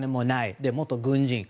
で、元軍人。